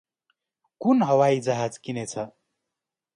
कुन हवाइजहाज किनेछ?